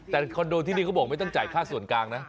แต่คอนโดที่นี่เขาบอกไม่ต้องจ่ายค่าส่วนกลางนะ